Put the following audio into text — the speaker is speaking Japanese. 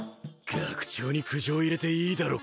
学長に苦情入れていいだろ